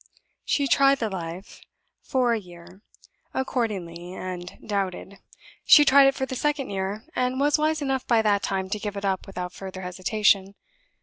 She tried the life for the first year, accordingly, and doubted. She tried it for the second year, and was wise enough, by that time, to give it up without further hesitation.